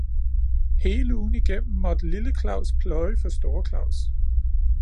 Hele ugen igennem måtte lille Claus pløje for store Claus.